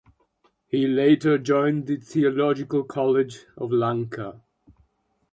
He later joined the Theological College of Lanka.